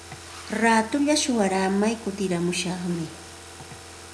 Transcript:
Raatulla shuyaaramay kutiramushaqmi.